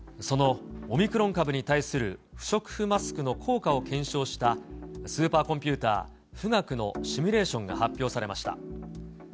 そのオミクロン株に対する不織布マスクの効果を検証した、スーパーコンピューター、富岳のシミュレーションが発表されました。